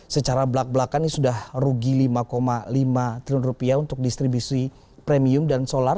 secara belak belakan ini sudah rugi lima lima triliun rupiah untuk distribusi premium dan solar